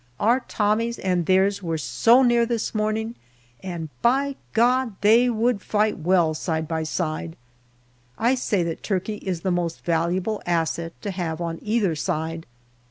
Our Tommies and theirs were so near this morning, and, by God ! they would fight well side by side. I say that Turkey is the most valuable asset to have on either side.